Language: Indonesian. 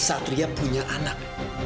mas satria punya anak